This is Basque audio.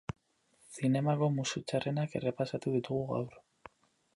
Zinemako musu txarrenak errepasatu ditugu gaur.